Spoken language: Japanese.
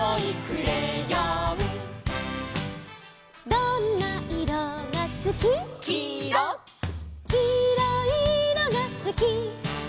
「どんないろがすき」「」「きいろいいろがすき」